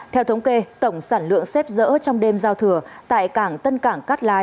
theo thống kê tổng sản lượng xếp dỡ trong đêm giao thừa tại cảng tân cảng cát lái